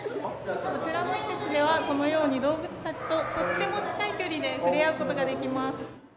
こちらの施設では、このように動物たちととっても近い距離で触れ合うことができます。